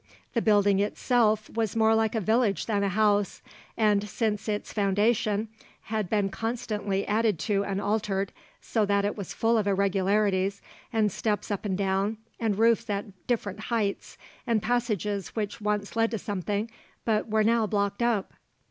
The building itself was more like a village than a house, and, since its foundation, had been constantly added to and altered, so that it was full of irregularities and steps up and down and roofs at different heights, and passages which once led to something but were now blocked up.